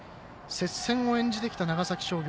接戦を演じてきた長崎商業。